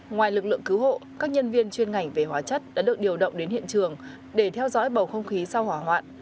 ngoài lực lượng cứu hộ các nhân viên chuyên ngành về hóa chất đã được điều động đến hiện trường để theo dõi bầu không khí sau hỏa hoạn